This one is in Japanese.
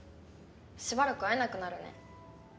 しばらく会えなくなるね。